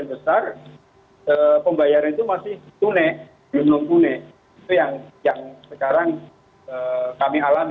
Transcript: itu yang sekarang kami alami